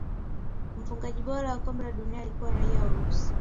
mfungaji bora wa kombe la dunia alikuwa raia wa urusi